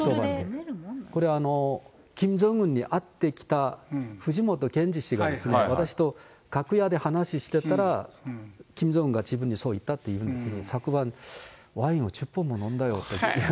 これは、キム・ジョンウンに会ってきた藤本けんじ氏が、私と楽屋で話してたら、キム・ジョンウンが自分でそう言ったというふうに、昨晩ワインを１０本も飲んだよという。